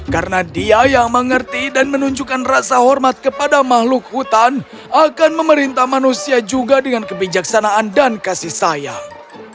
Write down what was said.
karena dia yang mengerti dan menunjukkan rasa hormat kepada makhluk hutan akan memerintah manusia juga dengan kebijaksanaan dan kasih sayang